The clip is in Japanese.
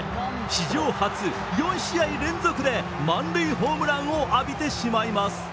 史上初４試合連続で満塁ホームランを浴びてしまいます。